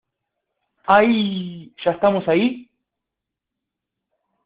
¡ Ay! ¿ ya estamos allí?